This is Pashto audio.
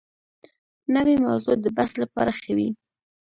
نوې موضوع د بحث لپاره ښه وي